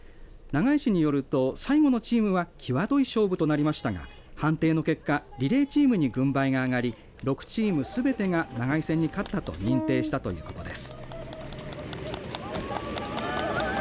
長井市によると最後のチームは際どい勝負となりましたが判定の結果リレーチームに軍配が上がり６チーム全てが長井線に勝ったと認定したということです。